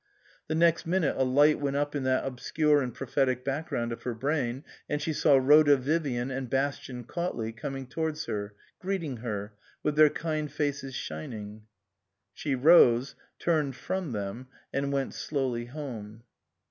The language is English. The next minute a light went up in that obscure and prophetic background of her brain ; and she saw Rhoda Vivian and Bastian Cautley coming towards her, greeting her, with their kind faces shining. She rose, turned from them, and went slowly home.